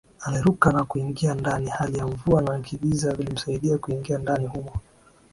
Aliruka na kuingia ndani hali ya mvua na kigiza vilimsaidia kuingia ndani humo